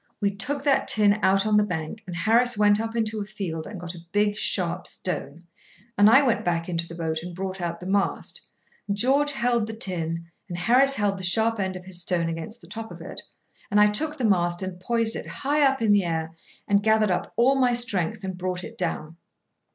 We took that tin out on the bank, and Harris went up into a field and got a big sharp stone, and I went back into the boat and brought out the mast, and George held the tin and Harris held the sharp end of his stone against the top of it, and I took the mast and poised it high up in the air, and gathered up all my strength and brought it down.